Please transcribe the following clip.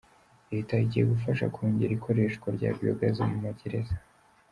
Leta igiye gufasha kongera ikoreshwa rya Biyogaze mu magereza